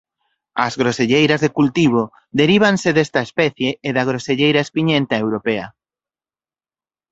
As groselleiras de cultivo derívanse desta especie e da groselleira espiñenta europea.